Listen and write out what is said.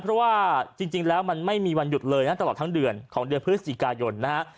เพราะว่าจริงแล้วมันไม่มีวันหยุดเลยนะตลอดทั้งเดือนของเดือนพฤศจิกายนนะฮะ